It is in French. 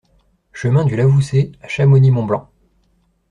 Chemin du Lavoussé à Chamonix-Mont-Blanc